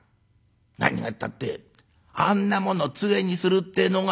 何がったってあんなものつえにするってえのが」。